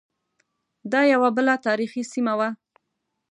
دا یوه بله تاریخی سیمه وه.